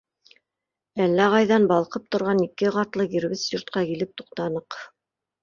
Әллә ҡайҙан балҡып торған ике ҡатлы кирбесле йортҡа килеп туҡтаныҡ.